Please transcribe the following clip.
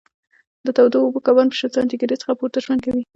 د تودو اوبو کبان په شل سانتي ګرېد څخه پورته ژوند کوي.